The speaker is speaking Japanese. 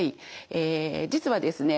え実はですね